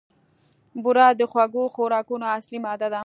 بوره د خوږو خوراکونو اصلي ماده ده.